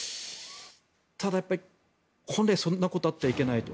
ただ、本来そんなことがあってはいけないと。